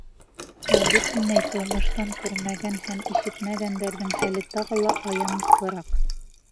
Ә бөтөнләй тыумыштан күрмәгән һәм ишетмәгәндәрҙең хәле тағы ла аяныслыраҡ.